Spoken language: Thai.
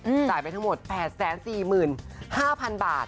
จ่ายไปทั้งหมด๘๔๕๐๐๐บาท